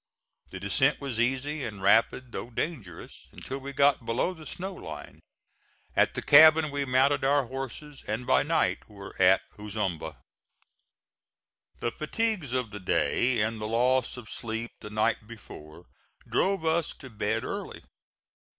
The descent was easy and rapid, though dangerous, until we got below the snow line. At the cabin we mounted our horses, and by night were at Ozumba. The fatigues of the day and the loss of sleep the night before drove us to bed early.